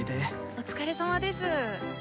お疲れさまです。